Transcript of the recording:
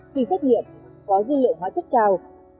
khi xét nghiệm có dư liệu hóa chất cao